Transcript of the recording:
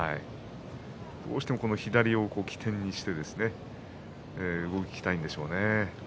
どうしても左を起点にして動きたいんでしょうね。